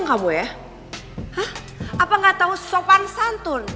hah apa gak tau sopan santun